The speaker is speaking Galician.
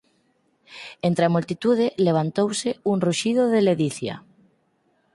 Entre a multitude levantouse un ruxido de ledicia.